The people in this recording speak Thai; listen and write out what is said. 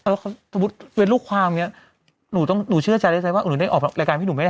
แล้วสมมุติเป็นลูกความอย่างนี้หนูต้องหนูเชื่อใจได้แสดงว่าหนูได้ออกรายการพี่หนูไม่ได้